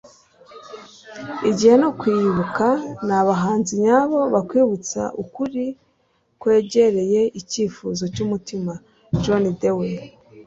igihe no kwibuka ni abahanzi nyabo; bakwibutsa ukuri kwegereye icyifuzo cy'umutima. - john dewey